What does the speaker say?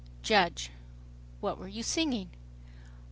JUDGE : "What were you singing?"